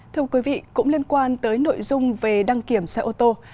thưa quý vị cũng liên quan tới nội dung về đăng kiểm xe ô tô